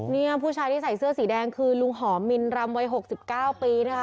นี่ผู้ชายที่ใส่เสื้อสีแดงคือลุงหอมมินรำวัย๖๙ปีนะคะ